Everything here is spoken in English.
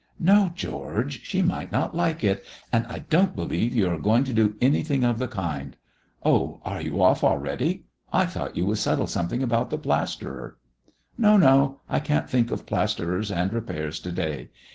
"No, George; she might not like it, and I don't believe you are going to do anything of the kind. Oh, are you off already? I thought you would settle something about the plasterer." "No, no; I can't think of plasterers and repairs to day.